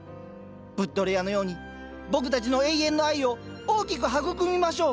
ブッドレアのように僕たちの永遠の愛を大きく育みましょう。